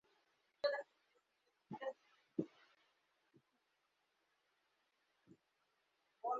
বগুড়া জিলা স্কুলে তিনি তিন-চার মাস পড়াশুনা করেন।